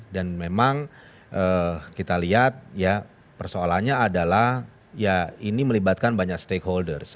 memang kita lihat ya persoalannya adalah ya ini melibatkan banyak stakeholders